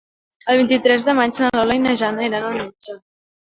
El vint-i-tres de maig na Lola i na Jana iran al metge.